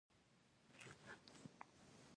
پامیر د افغانستان د بشري فرهنګ یوه پخوانۍ برخه ده.